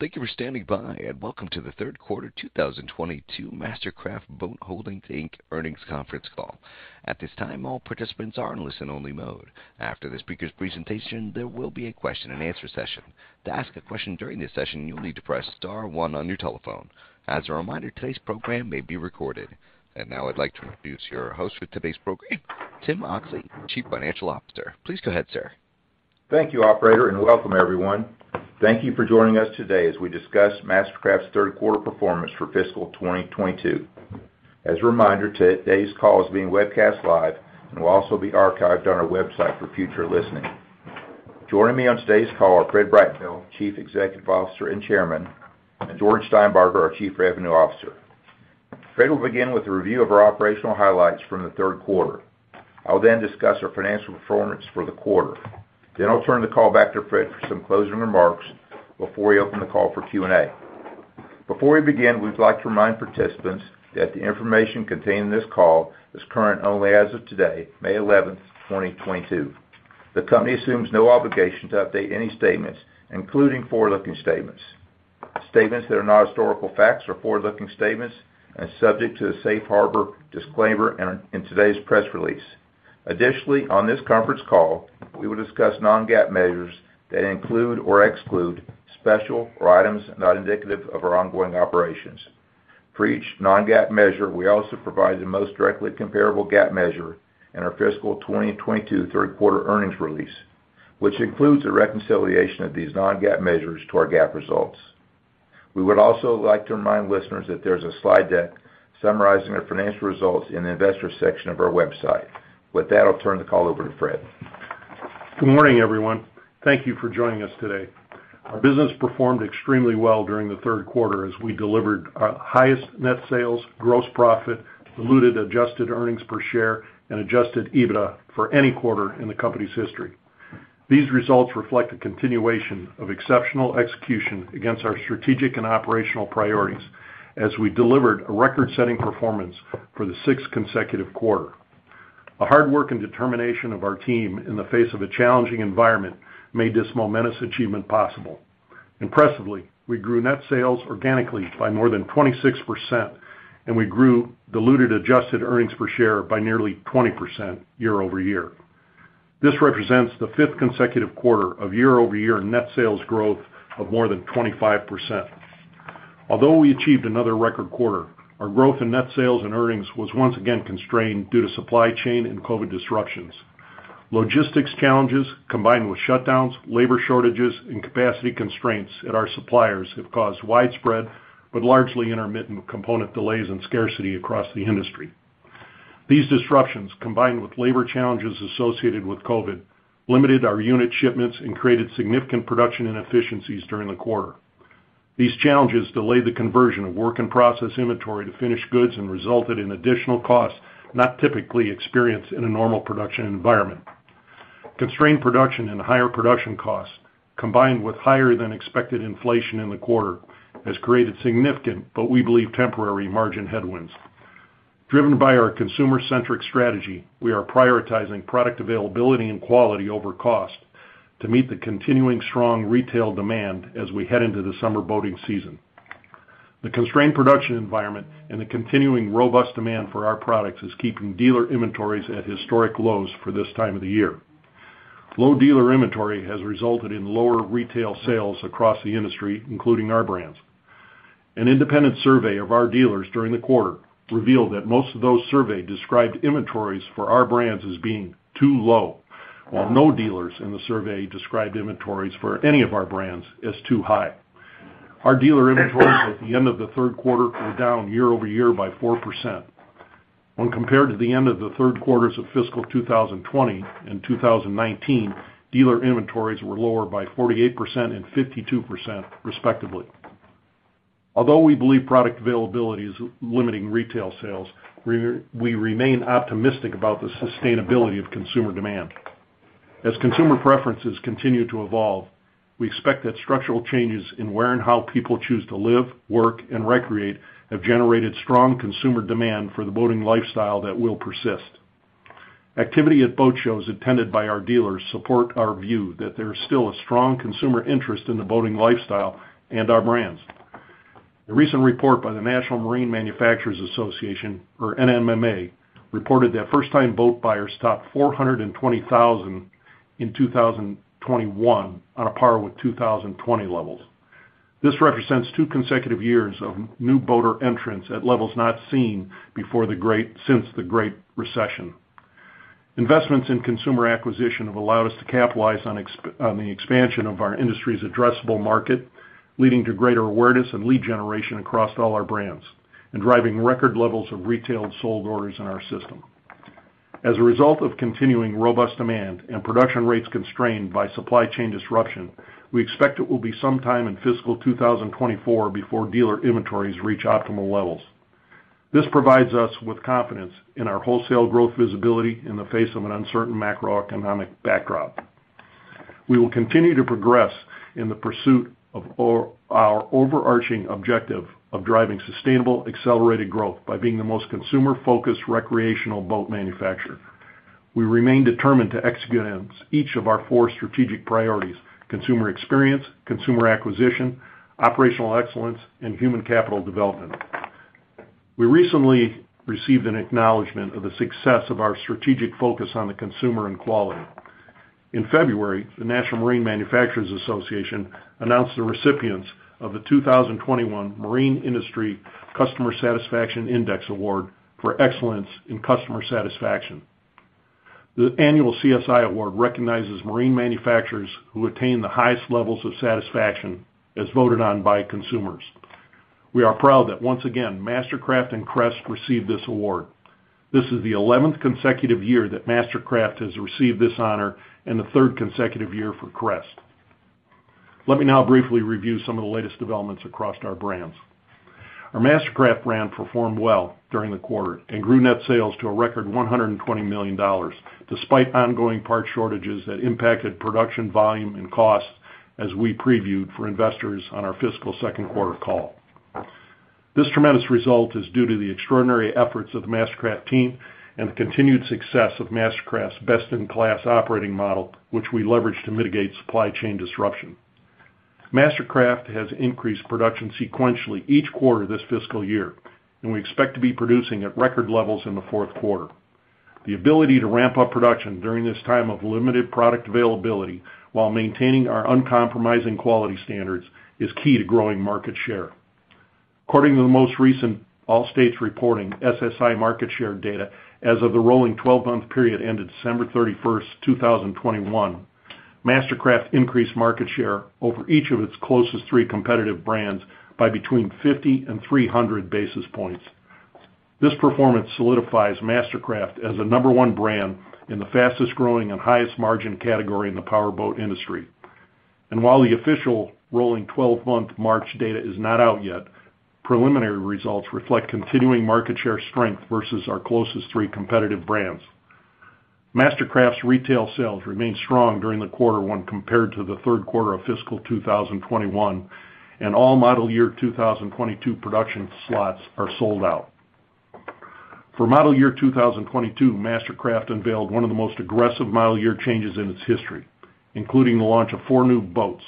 Thank you for standing by, and welcome to the Q3 2022 MasterCraft Boat Holdings, Inc. earnings Conference Call. At this time, all participants are in listen-only mode. After the speaker's presentation, there will be a question-and-answer session. To ask a question during this session, you'll need to press star one on your telephone. As a reminder, today's program may be recorded. Now I'd like to introduce your host for today's program, Tim Oxley, Chief Financial Officer. Please go ahead, sir. Thank you, operator, and welcome everyone. Thank you for joining us today as we discuss MasterCraft's Q3 performance for fiscal 2022. As a reminder, today's call is being webcast live and will also be archived on our website for future listening. Joining me on today's call are Fred Brightbill, Chief Executive Officer and Chairman, and George Steinbarger, our Chief Revenue Officer. Fred will begin with a review of our operational highlights from the Q3. I'll then discuss our financial performance for the quarter. I'll turn the call back to Fred for some closing remarks before we open the call for Q&A. Before we begin, we'd like to remind participants that the information contained in this call is current only as of today, May 11, 2022. The company assumes no obligation to update any statements, including forward-looking statements. Statements that are not historical facts are forward-looking statements and subject to the Safe Harbor disclaimer in today's press release. Additionally, on this Conference Call, we will discuss non-GAAP measures that include or exclude special or items not indicative of our ongoing operations. For each non-GAAP measure, we also provide the most directly comparable GAAP measure in our fiscal 2022 Q3 earnings release, which includes a reconciliation of these non-GAAP measures to our GAAP results. We would also like to remind listeners that there's a slide deck summarizing our financial results in the investor section of our website. With that, I'll turn the call over to Fred. Good morning, everyone. Thank you for joining us today. Our business performed extremely well during the Q3 as we delivered our highest net sales, gross profit, diluted adjusted earnings per share, and adjusted EBITDA for any quarter in the company's history. These results reflect a continuation of exceptional execution against our strategic and operational priorities as we delivered a record-setting performance for the sixth consecutive quarter. The hard work and determination of our team in the face of a challenging environment made this momentous achievement possible. Impressively, we grew net sales organically by more than 26%, and we grew diluted adjusted earnings per share by nearly 20% year-over-year. This represents the fifth consecutive quarter of year-over-year net sales growth of more than 25%. Although we achieved another record quarter, our growth in net sales and earnings was once again constrained due to supply chain and COVID disruptions. Logistics challenges combined with shutdowns, labor shortages, and capacity constraints at our suppliers have caused widespread but largely intermittent component delays and scarcity across the industry. These disruptions, combined with labor challenges associated with COVID, limited our unit shipments and created significant production inefficiencies during the quarter. These challenges delayed the conversion of work in process inventory to finished goods and resulted in additional costs not typically experienced in a normal production environment. Constrained production and higher production costs, combined with higher than expected inflation in the quarter, has created significant but we believe temporary margin headwinds. Driven by our consumer-centric strategy, we are prioritizing product availability and quality over cost to meet the continuing strong retail demand as we head into the summer boating season. The constrained production environment and the continuing robust demand for our products is keeping dealer inventories at historic lows for this time of the year. Low-dealer inventory has resulted in lower retail sales across the industry, including our brands. An independent survey of our dealers during the quarter revealed that most of those surveyed described inventories for our brands as being too low, while no dealers in the survey described inventories for any of our brands as too high. Our dealer inventories at the end of the Q3 were down year-over-year by 4%. When compared to the end of the Q3s of fiscal 2020 and 2019, dealer inventories were lower by 48% and 52% respectively. Although we believe product availability is limiting retail sales, we remain optimistic about the sustainability of consumer demand. As consumer preferences continue to evolve, we expect that structural changes in where and how people choose to live, work, and recreate have generated strong consumer demand for the boating lifestyle that will persist. Activity at boat shows attended by our dealers support our view that there is still a strong consumer interest in the boating lifestyle and our brands. A recent report by the National Marine Manufacturers Association, or NMMA, reported that first-time boat buyers topped 420,000 in 2021 on a par with 2020 levels. This represents two consecutive years of new boater entrants at levels not seen since the Great Recession. Investments in consumer acquisition have allowed us to capitalize on the expansion of our industry's addressable market, leading to greater awareness and lead generation across all our brands and driving record levels of retailed sold orders in our system. As a result of continuing robust demand and production rates constrained by supply chain disruption, we expect it will be sometime in fiscal 2024 before dealer inventories reach optimal levels. This provides us with confidence in our wholesale growth visibility in the face of an uncertain macroeconomic backdrop. We will continue to progress in the pursuit of our overarching objective of driving sustainable, accelerated growth by being the most consumer-focused recreational boat manufacturer. We remain determined to execute on each of our four strategic priorities: consumer experience, consumer acquisition, operational excellence, and human capital development. We recently received an acknowledgment of the success of our strategic focus on the consumer and quality. In February, the National Marine Manufacturers Association announced the recipients of the 2021 Marine Industry Customer Satisfaction Index Award for excellence in customer satisfaction. The annual CSI Award recognizes marine manufacturers who attain the highest-levels of satisfaction as voted on by consumers. We are proud that once again, MasterCraft and Crest received this award. This is the 11th consecutive year that MasterCraft has received this honor and the 3rd consecutive year for Crest. Let me now briefly review some of the latest developments across our brands. Our MasterCraft brand performed well during the quarter and grew net sales to a record $120 million, despite ongoing part shortages that impacted production volume and costs, as we previewed for investors on our fiscal Q2 call. This tremendous result is due to the extraordinary efforts of the MasterCraft team and the continued success of MasterCraft's best-in-class operating model, which we leveraged to mitigate supply chain disruption. MasterCraft has increased production sequentially each quarter this fiscal year, and we expect to be producing at record levels in the Q4. The ability to ramp up production during this time of limited product availability while maintaining our uncompromising quality standards is key to growing market share. According to the most recent All States reporting SSI market share data as of the rolling twelve-month period ended December 31, 2021, MasterCraft increased market share over each of its closest three competitive brands by between 50 and 300 basis points. This performance solidifies MasterCraft as the number one brand in the fastest-growing and highest-margin category in the power boat industry. While the official rolling twelve-month March data is not out yet, preliminary results reflect continuing market share strength versus our closest three competitive brands. MasterCraft's retail sales remained strong during the quarter when compared to the Q3 2021, and all model year 2022 production slots are sold out. For model year 2022, MasterCraft unveiled one of the most aggressive model year changes in its history, including the launch of four new boats,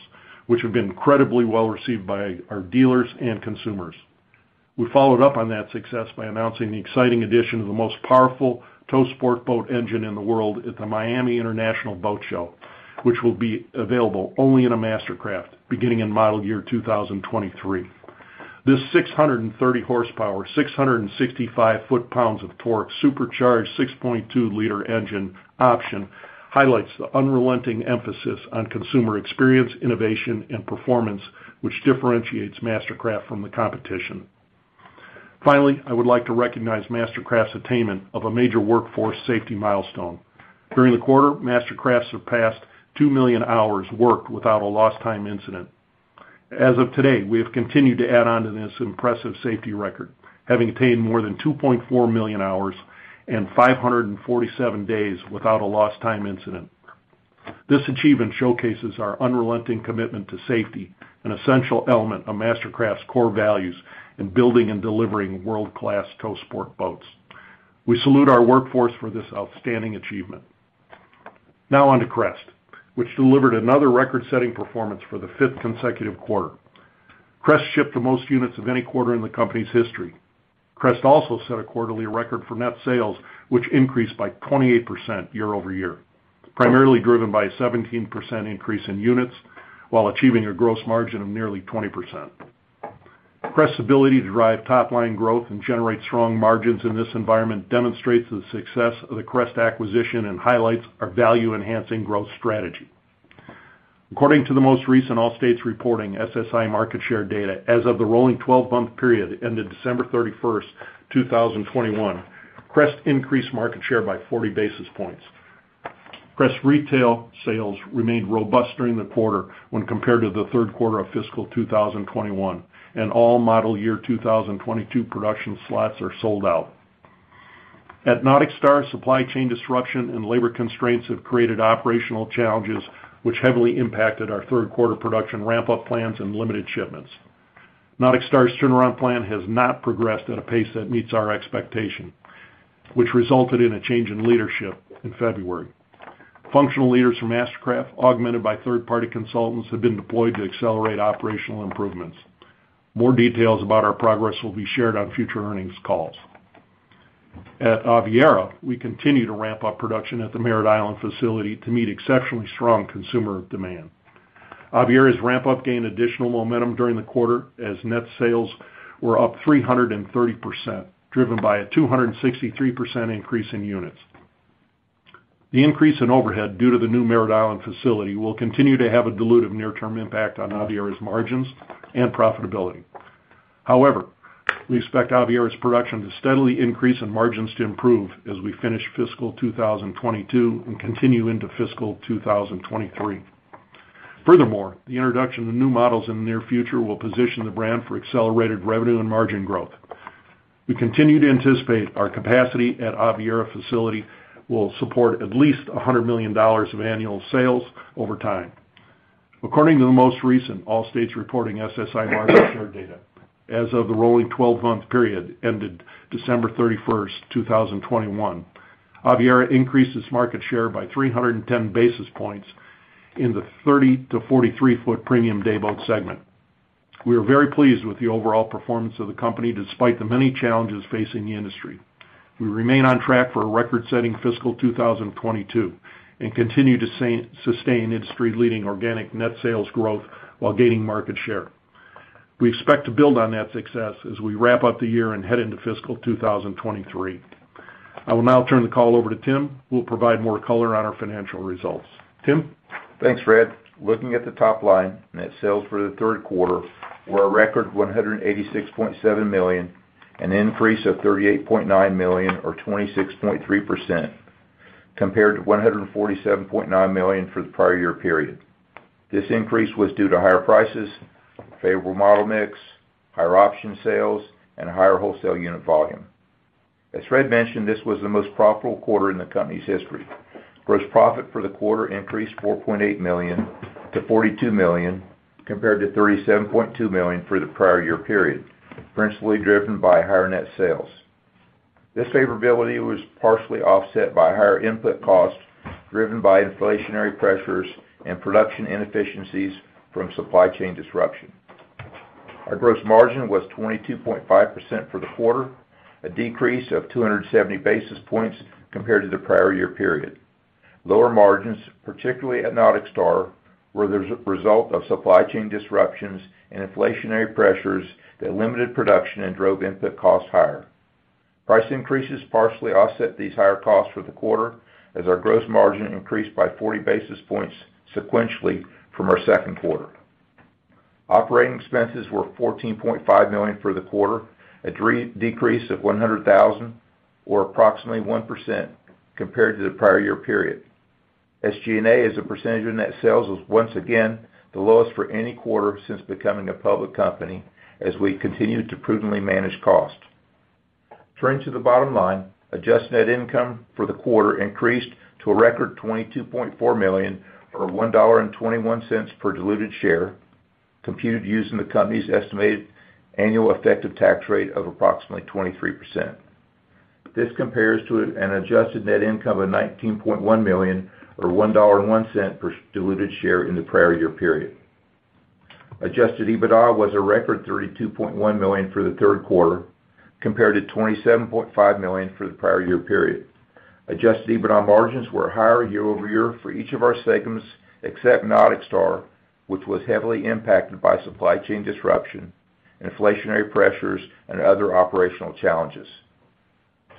which have been incredibly well-received by our dealers and consumers. We followed-up on that success by announcing the exciting addition of the most powerful tow sport boat engine in the world at the Miami International Boat Show, which will be available only in a MasterCraft beginning in model year 2023. This 630 horsepower, 665 foot pounds of torque, supercharged 6.2 liter engine option highlights the unrelenting emphasis on consumer experience, innovation, and performance, which differentiates MasterCraft from the competition. Finally, I would like to recognize MasterCraft's attainment of a major workforce safety milestone. During the quarter, MasterCraft surpassed 2 million hours worked without a lost time incident. As of today, we have continued to add on to this impressive safety record, having attained more than 2.4 million hours and 547 days without a lost time incident. This achievement showcases our unrelenting commitment to safety, an essential element of MasterCraft's core values in building and delivering world-class tow sport boats. We salute our workforce for this outstanding achievement. Now on to Crest, which delivered another record-setting performance for the fifth consecutive quarter. Crest shipped the most units of any quarter in the company's history. Crest also set a quarterly record for net sales, which increased by 28% year-over-year, primarily driven by a 17% increase in units while achieving a gross margin of nearly 20%. Crest's ability to drive top-line growth and generate strong margins in this environment demonstrates the success of the Crest acquisition and highlights our value-enhancing growth strategy. According to the most recent All States reporting SSI market share data as of the rolling twelve-month period ended December 31, 2021, Crest increased market share by 40 basis points. Crest retail sales remained robust during the quarter when compared to the Q3 2021, and all model year 2022 production slots are sold out. At NauticStar, supply chain disruption and labor constraints have created operational challenges which heavily impacted our Q3 production ramp-up plans and limited shipments. NauticStar's turnaround plan has not progressed at a pace that meets our expectation, which resulted in a change in leadership in February. Functional leaders from MasterCraft, augmented by third-party consultants, have been deployed to accelerate operational improvements. More details about our progress will be shared on future earnings calls. At Aviara, we continue to ramp up production at the Merritt Island facility to meet exceptionally strong consumer demand. Aviara's ramp-up gained additional momentum during the quarter as net sales were up 330%, driven by a 263% increase in units. The increase in overhead due to the new Merritt Island facility will continue to have a dilutive near-term impact on Aviara's margins and profitability. However, we expect Aviara's production to steadily increase and margins to improve as we finish fiscal 2022 and continue into fiscal 2023. Furthermore, the introduction of new models in the near future will position the brand for accelerated revenue and margin growth. We continue to anticipate our capacity at Aviara facility will support at least $100 million of annual sales over time. According to the most recent SSI's reporting SSI market share data, as of the rolling twelve-month period ended December 31, 2021, Aviara increased its market share by 310 basis points in the 30- to 43-foot premium day boat segment. We are very pleased with the overall performance of the company despite the many challenges facing the industry. We remain on track for a record-setting fiscal 2022, and continue to sustained industry leading organic net sales growth while gaining market share. We expect to build on that success as we wrap up the year and head into fiscal 2023. I will now turn the call over to Tim, who will provide more color on our financial results. Tim. Thanks, Fred. Looking at the top-line, net sales for the Q3 were a record $186.7 million, an increase of $38.9 million or 26.3% compared to $147.9 million for the prior year period. This increase was due to higher-prices, favorable model mix, higher-option sales, and higher-wholesale unit volume. As Fred mentioned, this was the most profitable quarter in the company's history. Gross profit for the quarter increased $4.8 million to $42 million, compared to $37.2 million for the prior year period, principally driven by higher-net sales. This favorability was partially offset by higher-input costs, driven by inflationary pressures and production inefficiencies from supply chain disruption. Our gross margin was 22.5% for the quarter, a decrease of 270 basis points compared to the prior year period. Lower- margins, particularly at NauticStar, were the result of supply chain disruptions and inflationary pressures that limited production and drove input costs higher. Price increases partially offset these higher-costs for the quarter as our gross margin increased by 40 basis points sequentially from our Q2. Operating expenses were $14.5 million for the quarter, a decrease of $100,000 or approximately 1% compared to the prior year period. SG&A, as a percentage of net sales, was once again the lowest for any quarter since becoming a public company, as we continued to prudently manage costs. Turning to the bottom-line, adjusted net income for the quarter increased to a record $22.4 million or $1.21 per diluted share, computed using the company's estimated annual effective tax rate of approximately 23%. This compares to an adjusted net income of $19.1 million or $1.01 per diluted share in the prior year period. Adjusted EBITDA was a record $32.1 million for the Q3, compared to $27.5 million for the prior year period. Adjusted EBITDA margins were higher-year-over-year for each of our segments except NauticStar, which was heavily impacted by supply chain disruption, inflationary pressures, and other operational challenges.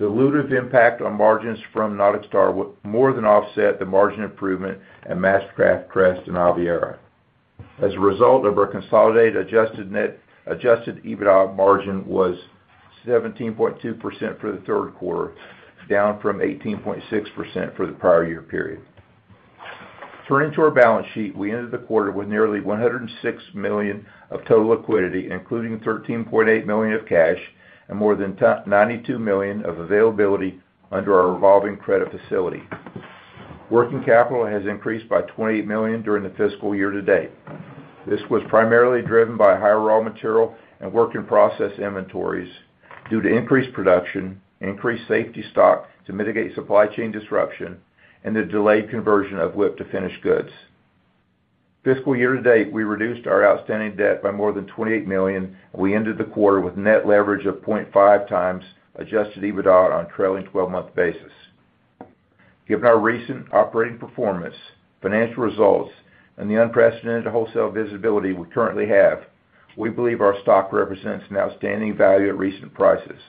Dilutive impact on margins from NauticStar was more than offset the margin improvement at MasterCraft, Crest, and Aviara. As a result of our consolidated adjusted EBITDA margin was 17.2% for the Q3, down from 18.6% for the prior year period. Turning to our balance sheet, we ended the quarter with nearly $106 million of total liquidity, including $13.8 million of cash and more than $92 million of availability under our revolving credit facility. Working capital has increased by $28 million during the fiscal year to date. This was primarily driven by higher-raw-material and work in process inventories due to increased production, increased safety stock to mitigate supply chain disruption, and the delayed conversion of WIP to finished goods. Fiscal year to date, we reduced our outstanding debt by more than $28 million, and we ended the quarter with net leverage of 0.5x adjusted EBITDA on a trailing twelve-month basis. Given our recent operating performance, financial results, and the unprecedented wholesale visibility we currently have, we believe our stock represents an outstanding value at recent prices.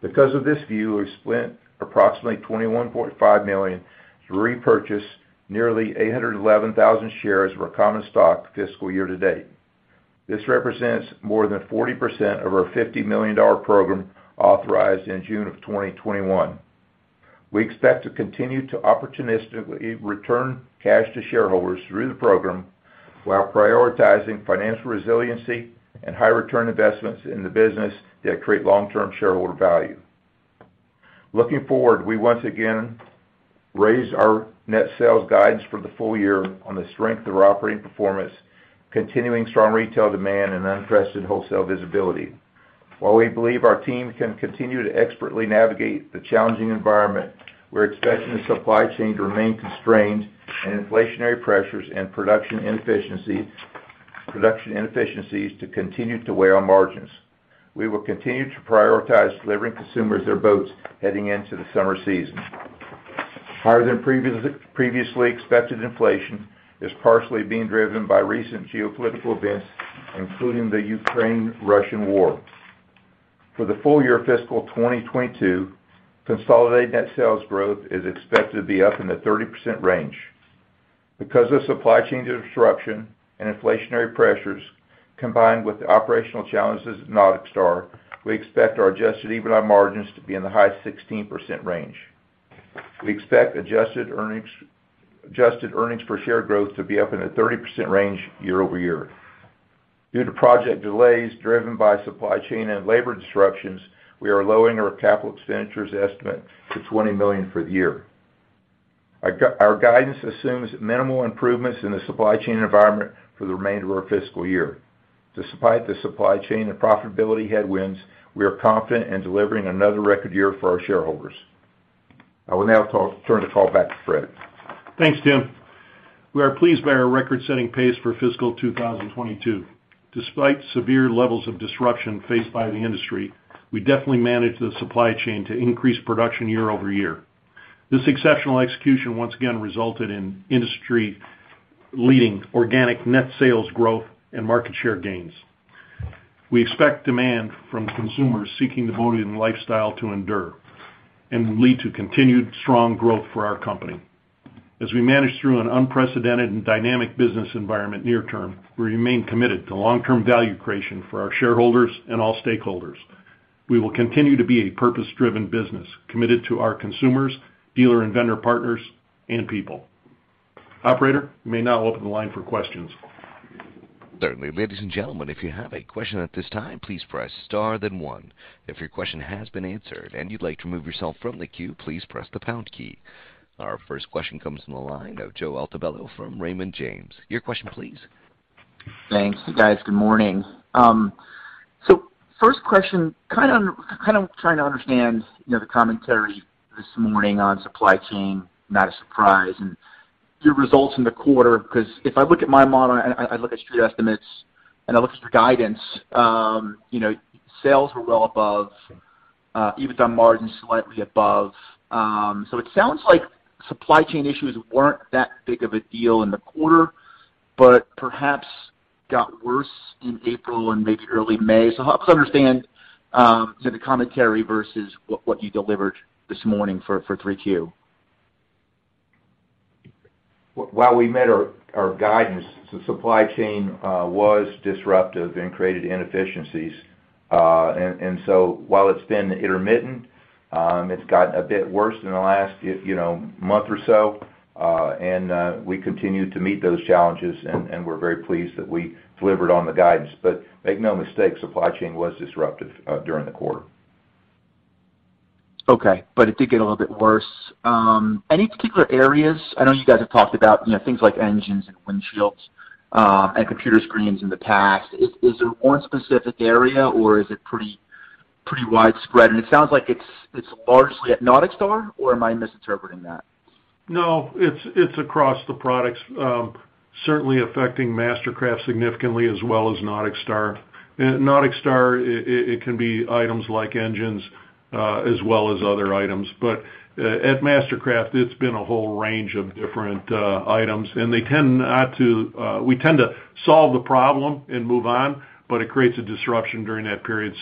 Because of this view, we've spent approximately $21.5 million to repurchase nearly 811,000 shares of our common stock fiscal year to date. This represents more than 40% of our $50 million program authorized in June of 2021. We expect to continue to opportunistically return cash to shareholders through the program while prioritizing financial resiliency and high return investments in the business that create long-term shareholder value. Looking forward, we once again raise our net sales guidance for the full-year on the strength of our operating performance, continuing strong retail demand, and unprecedented wholesale visibility. While we believe our team can continue to expertly navigate the challenging environment, we're expecting the supply chain to remain constrained and inflationary pressures and production inefficiencies to continue to weigh on margins. We will continue to prioritize delivering to consumers their boats heading into the summer season. Higher than previously expected inflation is partially being driven by recent geopolitical events, including the Ukraine-Russia war. For the full-year fiscal 2022, consolidated net sales growth is expected to be up in the 30% range. Because of supply chain disruption and inflationary pressures, combined with the operational challenges at NauticStar, we expect our adjusted EBITDA margins to be in the high 16% range. We expect adjusted earnings, adjusted earnings per share growth to be up in the 30% range year-over-year. Due to project delays driven by supply chain and labor disruptions, we are lowering our capital expenditures estimate to $20 million for the year. Our guidance assumes minimal improvements in the supply chain environment for the remainder of our fiscal year. Despite the supply chain and profitability headwinds, we are confident in delivering another record year for our shareholders. I will now turn the call back to Fred. Thanks, Tim. We are pleased by our record-setting pace for fiscal 2022. Despite severe levels of disruption faced by the industry, we definitely managed the supply chain to increase production year over year. This exceptional execution once again resulted in industry-leading organic net sales growth and market share gains. We expect demand from consumers seeking the boating lifestyle to endure and will lead to continued strong growth for our company. As we manage through an unprecedented and dynamic business environment near term, we remain committed to long-term value creation for our shareholders and all stakeholders. We will continue to be a purpose-driven business committed to our consumers, dealer and vendor partners, and people. Operator, you may now open the line for questions. Certainly. Ladies and gentlemen, if you have a question at this time, please press star then one. If your question has been answered and you'd like to remove yourself from the queue, please press the pound key. Our first question comes from the line of Joseph Altobello from Raymond James. Your question please. Thanks, guys. Good morning. First question, kind of trying to understand, you know, the commentary this morning on supply chain, not a surprise, and your results in the quarter, 'cause if I look at my model and I look at street estimates and I look at your guidance, you know, sales were well above, EBITDA margin slightly above. It sounds like supply chain issues weren't that big of a deal in the quarter, but perhaps got worse in April and maybe early May. Help us understand, you know, the commentary versus what you delivered this morning for Q3. While we met our guidance, the supply chain was disruptive and created inefficiencies. While it's been intermittent, it's gotten a bit worse in the last, you know, month or so. We continue to meet those challenges and we're very pleased that we delivered on the guidance. Make no mistake, supply chain was disruptive during the quarter. Okay, it did get a little bit worse. Any particular areas? I know you guys have talked about, you know, things like engines and windshields, and computer screens in the past. Is there one specific area or is it pretty widespread? It sounds like it's largely at NauticStar, or am I misinterpreting that? No, it's across the products, certainly affecting MasterCraft significantly as well as NauticStar. NauticStar, it can be items like engines, as well as other items. At MasterCraft, it's been a whole range of different items, and we tend to solve the problem and move on, but it creates a disruption during that period.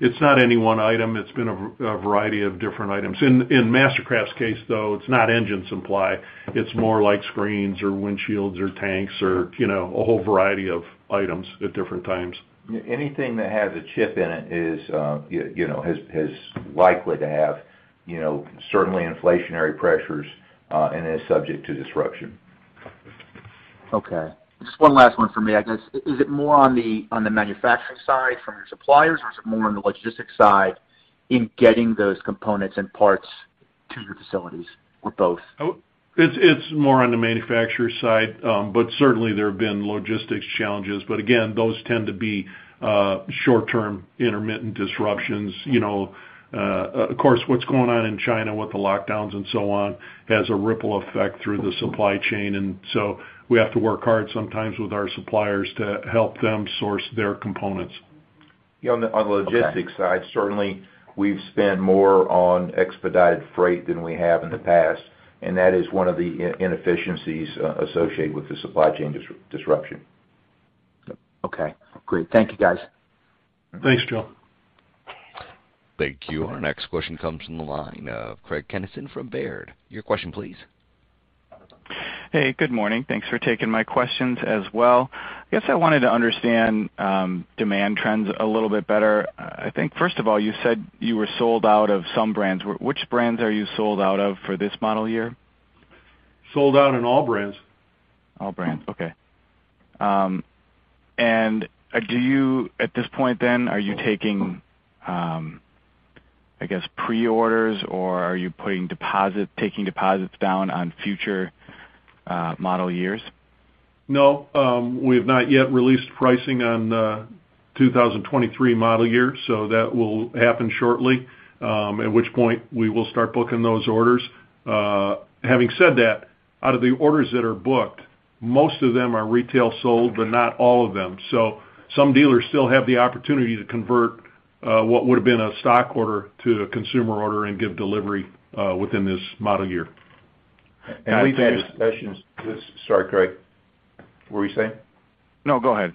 It's not any one item. It's been a variety of different items. In MasterCraft's case, though, it's not engine supply. It's more like screens or windshields or tanks or, you know, a whole variety of items at different times. Anything that has a chip in it is, you know, likely to have, you know, certainly inflationary pressures and is subject to disruption. Okay. Just one last one for me, I guess. Is it more on the manufacturing side from your suppliers, or is it more on the logistics side in getting those components and parts to your facilities, or both? It's more on the manufacturer side, but certainly there have been logistics challenges. Again, those tend to be short-term, intermittent disruptions. You know, of course, what's going on in China with the lockdowns and so on has a ripple effect through the supply chain. We have to work hard sometimes with our suppliers to help them source their components. Yeah, on the logistics side. Okay Certainly we've spent more on expedited freight than we have in the past, and that is one of the inefficiencies associated with the supply chain disruption. Okay, great. Thank you, guys. Thanks, Joe. Thank you. Our next question comes from the line of Craig Kennison from Baird. Your question please. Hey, good morning. Thanks for taking my questions as well. I guess I wanted to understand demand trends a little bit better. I think first of all, you said you were sold out of some brands. Which brands are you sold out of for this model year? Sold out in all brands. All brands, okay. At this point then, are you taking, I guess, pre-orders or are you taking deposits down on future model years? No. We have not yet released pricing on the 2023 model year, so that will happen shortly, at which point we will start booking those orders. Having said that, out of the orders that are booked, most of them are retail sold, but not all of them. Some dealers still have the opportunity to convert, what would have been a stock order to a consumer order and give delivery, within this model year. We've had discussions, sorry, Craig. What were you saying? No, go ahead.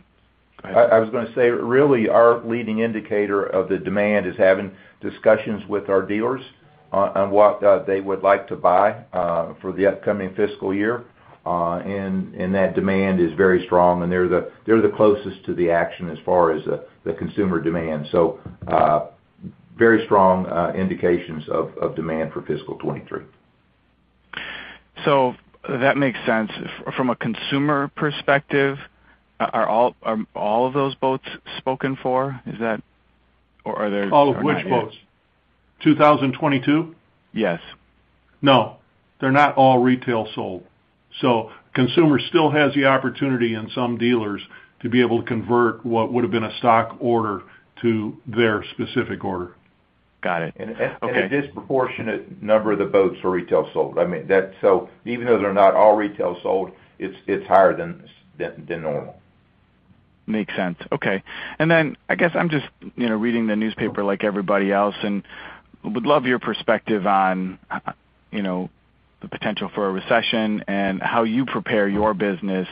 Go ahead. I was gonna say, really our leading indicator of the demand is having discussions with our dealers on what they would like to buy for the upcoming fiscal year. That demand is very strong, and they're the closest to the action as far as the consumer demand. Very strong indications of demand for fiscal 2023. That makes sense. From a consumer perspective, are all of those boats spoken for? Or are there- All of which boats? 2022? Yes. No, they're not all retail sold. Consumer still has the opportunity in some dealers to be able to convert what would have been a stock order to their specific order. Got it. Okay. A disproportionate number of the boats are retail sold. I mean, that's so even though they're not all retail sold, it's higher than normal. Makes sense. Okay. I guess I'm just, you know, reading the newspaper like everybody else and would love your perspective on, you know, the potential for a recession and how you prepare your business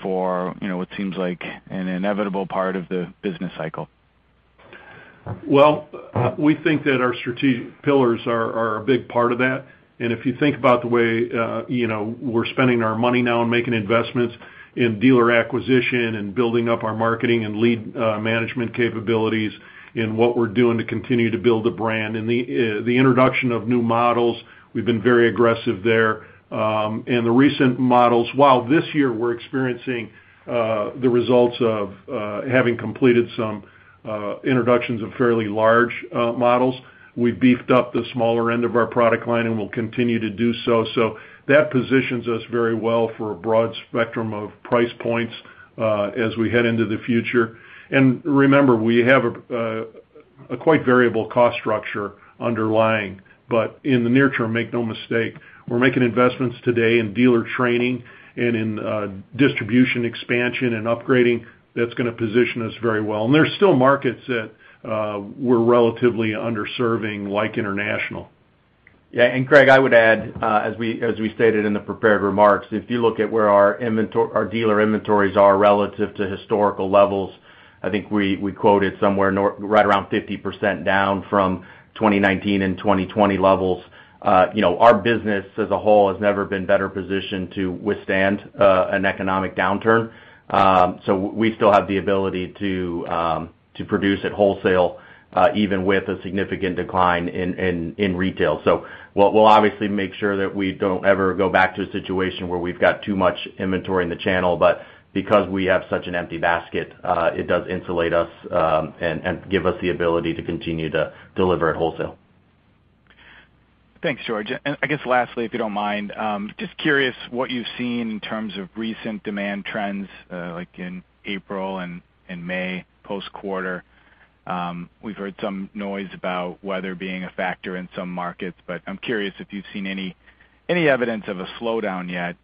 for, you know, what seems like an inevitable part of the business cycle. Well, we think that our strategic pillars are a big part of that. If you think about the way, you know, we're spending our money now and making investments in dealer acquisition and building up our marketing and lead management capabilities and what we're doing to continue to build the brand and the introduction of new models, we've been very aggressive there. The recent models—while this year we're experiencing the results of having completed some introductions of fairly large models, we beefed up the smaller end of our product line, and we'll continue to do so. That positions us very well for a broad spectrum of price points as we head into the future. Remember, we have a quite variable cost structure underlying. In the near term, make no mistake, we're making investments today in dealer training and in distribution expansion and upgrading that's gonna position us very well. There's still markets that we're relatively underserving, like international. Yeah. Craig, I would add, as we stated in the prepared remarks, if you look at where our dealer inventories are relative to historical levels, I think we quoted right around 50% down from 2019 and 2020 levels. You know, our business as a whole has never been better positioned to withstand an economic downturn. We still have the ability to produce at wholesale, even with a significant decline in retail. We'll obviously make sure that we don't ever go back to a situation where we've got too much inventory in the channel. Because we have such an empty basket, it does insulate us, and give us the ability to continue to deliver at wholesale. Thanks, George. I guess lastly, if you don't mind, just curious what you've seen in terms of recent demand trends, like in April and May post quarter. We've heard some noise about weather being a factor in some markets, but I'm curious if you've seen any evidence of a slowdown yet,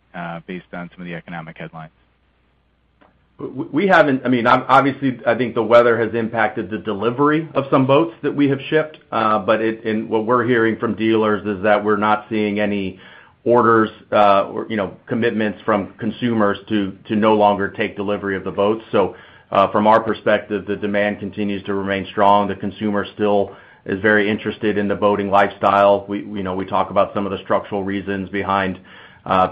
based on some of the economic headlines. We haven't. I mean, obviously, I think the weather has impacted the delivery of some boats that we have shipped. What we're hearing from dealers is that we're not seeing any orders, or, you know, commitments from consumers to no longer take delivery of the boats. From our perspective, the demand continues to remain strong. The consumer still is very interested in the boating lifestyle. We, you know, we talk about some of the structural reasons behind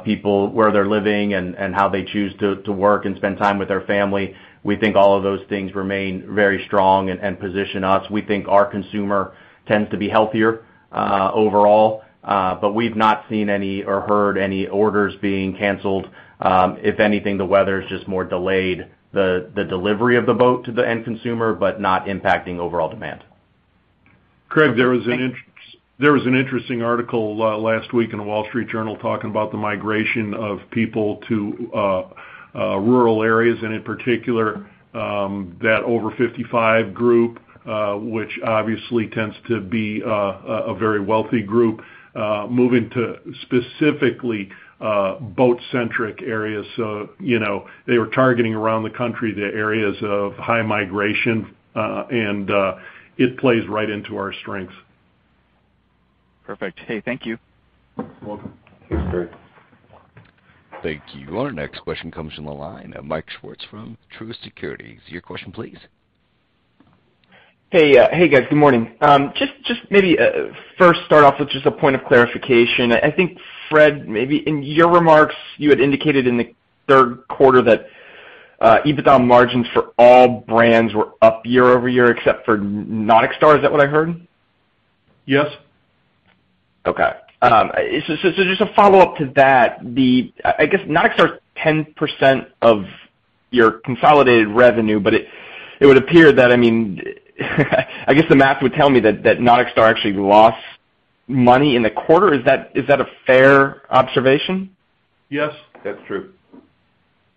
people, where they're living and how they choose to work and spend time with their family. We think all of those things remain very strong and position us. We think our consumer tends to be healthier overall, but we've not seen any or heard any orders being canceled. If anything, the weather is just more of a delay to the delivery of the boat to the end consumer, but not impacting overall demand. Craig, there was an interesting article last week in the Wall Street Journal talking about the migration of people to rural areas, and in particular, that over 55 group, which obviously tends to be a very wealthy group, moving to specifically boat-centric areas. You know, they were targeting around the country the areas of high migration, and it plays right into our strengths. Perfect. Hey, thank you. You're welcome. Thanks, Craig. Thank you. Our next question comes from the line of Michael Swartz from Truist Securities. Your question, please. Hey, guys. Good morning. Just maybe first start off with just a point of clarification. I think, Fred, maybe in your remarks, you had indicated in the Q3 that EBITDA margins for all brands were up year-over-year except for NauticStar. Is that what I heard? Yes. Just a follow-up to that. I guess NauticStar is 10% of your consolidated revenue, but it would appear that, I mean, I guess the math would tell me that NauticStar actually lost money in the quarter. Is that a fair observation? Yes. That's true.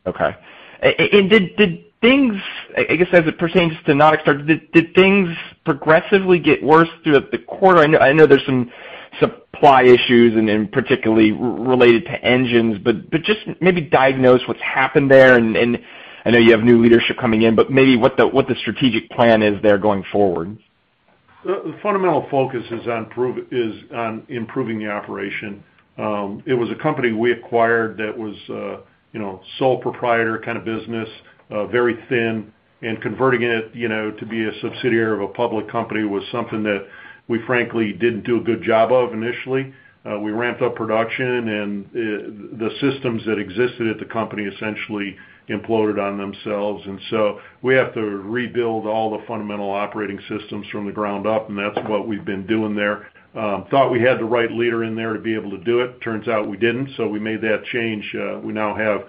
Okay. I guess as it pertains to NauticStar, did things progressively get worse throughout the quarter? I know there's some supply issues and particularly related to engines, but just maybe diagnose what's happened there. I know you have new leadership coming in, but maybe what the strategic plan is there going forward. The fundamental focus is on improving the operation. It was a company we acquired that was, you know, sole proprietor kind of business, very thin, and converting it, you know, to be a subsidiary of a public company was something that we frankly didn't do a good job of initially. We ramped up production and the systems that existed at the company essentially imploded on themselves. We have to rebuild all the fundamental operating systems from the ground up, and that's what we've been doing there. Thought we had the right leader in there to be able to do it. Turns out we didn't, so we made that change. We now have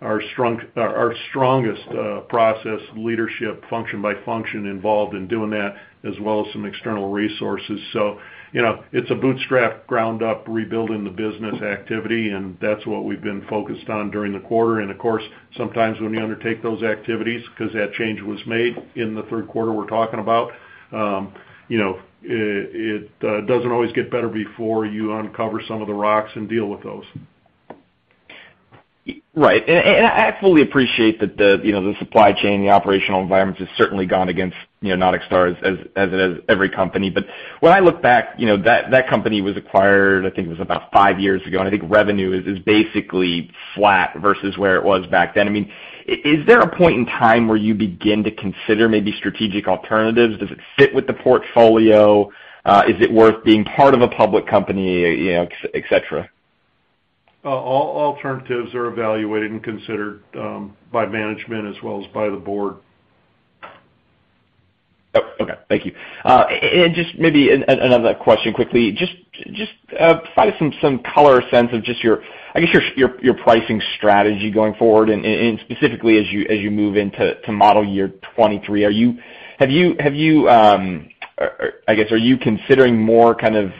our strongest process leadership function by function involved in doing that, as well as some external resources. You know, it's a bootstrap ground-up rebuilding the business activity, and that's what we've been focused on during the quarter. Of course, sometimes when you undertake those activities, 'cause that change was made in the Q3 we're talking about, you know, it doesn't always get better before you uncover some of the rocks and deal with those. Right. I fully appreciate that the, you know, the supply chain, the operational environment has certainly gone against, you know, NauticStar as it has every company. When I look back, you know, that company was acquired, I think it was about 5 years ago, and I think revenue is basically flat versus where it was back then. I mean, is there a point in time where you begin to consider maybe strategic alternatives? Does it fit with the portfolio? Is it worth being part of a public company, you know, et cetera? All alternatives are evaluated and considered by management as well as by the board. Oh, okay. Thank you. Just maybe another question quickly. Just provide some color or sense of just your, I guess your pricing strategy going forward and specifically as you move into model year 2023. Have you or I guess are you considering more kind of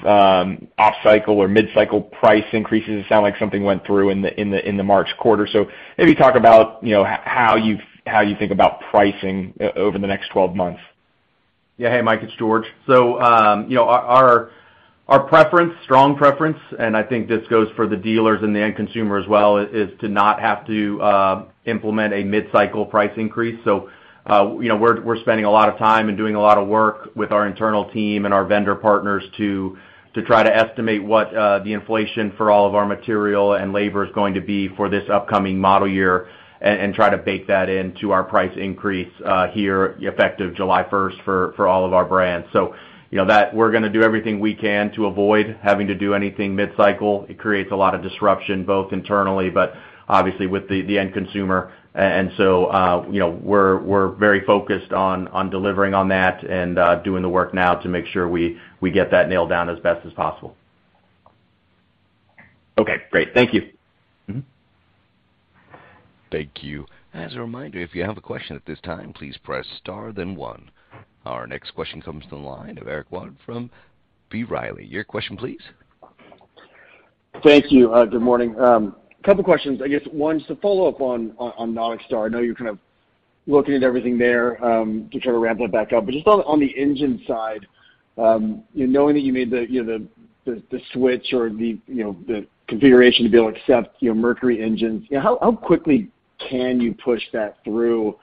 off-cycle or mid-cycle price increases? It sound like something went through in the March quarter. Maybe talk about, you know, how you think about pricing over the next 12 months. Yeah. Hey, Mike, it's George. You know, our preference, strong preference, and I think this goes for the dealers and the end consumer as well, is to not have to implement a mid-cycle price increase. You know, we're spending a lot of time and doing a lot of work with our internal team and our vendor partners to try to estimate what the inflation for all of our material and labor is going to be for this upcoming model year and try to bake that into our price increase here effective July first for all of our brands. You know, that we're gonna do everything we can to avoid having to do anything mid-cycle. It creates a lot of disruption, both internally, but obviously with the end consumer. You know, we're very focused on delivering on that and doing the work now to make sure we get that nailed down as best as possible. Okay, great. Thank you. Mm-hmm. Thank you. As a reminder, if you have a question at this time, please press star then one. Our next question comes to the line of Eric Wold from B. Riley. Your question please. Thank you. Good morning. A couple of questions. I guess one, just to follow-up on NauticStar. I know you're kind of looking at everything there to try to ramp it back up. Just on the engine side, you knowing that you made the switch or the configuration to be able to accept Mercury engines, how quickly can you push that through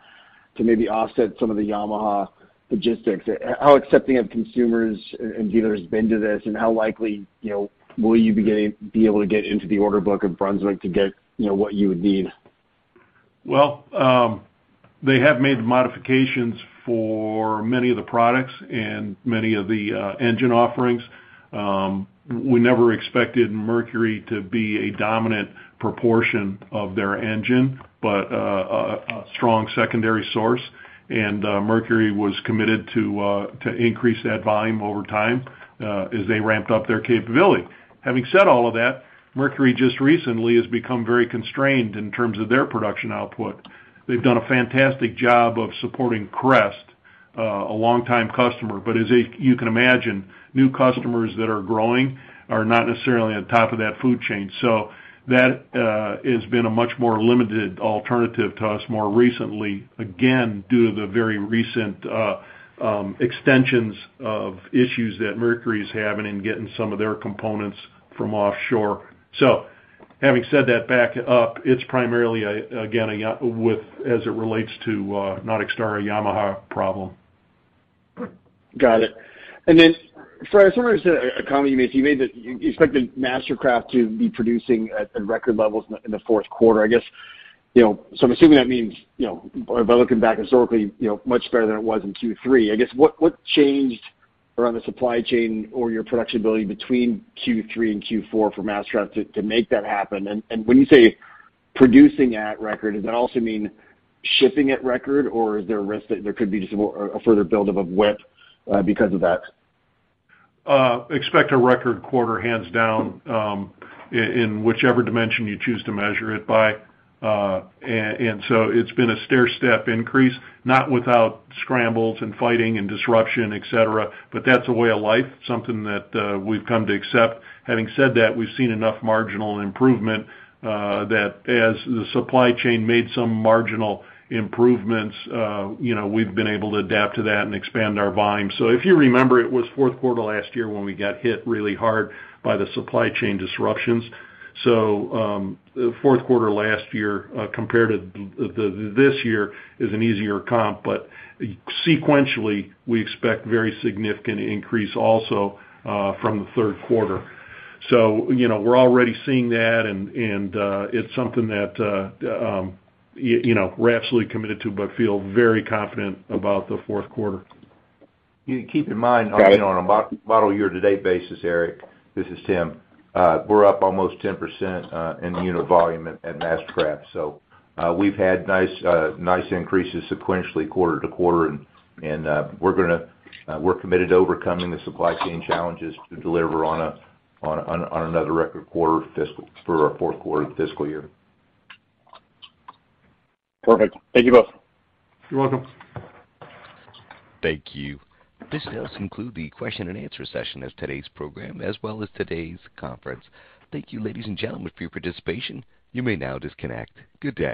to maybe offset some of the Yamaha logistics? How accepting have consumers and dealers been to this, and how likely will you be able to get into the order book of Brunswick to get what you would need? Well, they have made the modifications for many of the products and many of the engine offerings. We never expected Mercury to be a dominant proportion of their engine, but a strong secondary source. Mercury was committed to increase that volume over time, as they ramped up their capability. Having said all of that, Mercury just recently has become very constrained in terms of their production output. They've done a fantastic job of supporting Crest, a long-time customer. You can imagine, new customers that are growing are not necessarily on top of that food chain. That has been a much more limited alternative to us more recently, again, due to the very recent extensions of issues that Mercury is having in getting some of their components from offshore. Having said that, back up, it's primarily a, again, what as it relates to NauticStar, a Yamaha problem. Got it. I just wanna say a comment you made. You expected MasterCraft to be producing at record levels in the Q4. I guess, you know, so I'm assuming that means, you know, by looking back historically, you know, much better than it was in Q3. I guess, what changed around the supply chain or your production ability between Q3 and Q4 for MasterCraft to make that happen? And when you say producing at record, does that also mean shipping at record, or is there a risk that there could be just a further buildup of WIP because of that? Expect a record quarter hands down, in whichever dimension you choose to measure it by. It's been a stairstep increase, not without scrambles and fighting and disruption, et cetera, but that's a way of life, something that we've come to accept. Having said that, we've seen enough marginal improvement, that as the supply chain made some marginal improvements, you know, we've been able to adapt to that and expand our volume. If you remember, it was Q4 last year when we got hit really hard by the supply chain disruptions. Q4 last year, compared to this year is an easier comp. Sequentially, we expect very significant increase also, from the Q3. You know, we're already seeing that and it's something that you know, we're absolutely committed to, but feel very confident about the Q4. Keep in mind on a model year to date basis, Eric, this is Tim, we're up almost 10% in unit volume at MasterCraft. We've had nice increases sequentially quarter-over-quarter, and we're committed to overcoming the supply chain challenges to deliver on another record quarter for our Q4 year. Perfect. Thank you both. You're welcome. Thank you. This does conclude the question and answer session of today's program as well as today's conference. Thank you, ladies and gentlemen, for your participation. You may now disconnect. Good day.